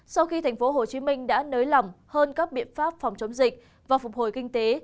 sau khi tp hcm đã nới lỏng hơn các biện pháp phòng chống dịch và phục hồi kinh tế